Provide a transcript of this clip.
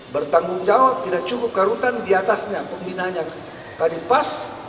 bertanggung jawab tidak cukup karutan diatasnya pembinaannya tadi pas